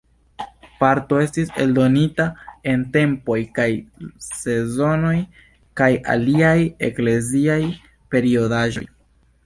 Parto estis eldonita en "Tempoj kaj Sezonoj" kaj aliaj ekleziaj periodaĵoj.